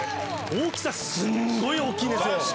大きさすんごい大きいんですよ。